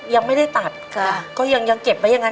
ยังไม่ได้ตัดค่ะก็ยังเก็บไว้อย่างนั้นก่อน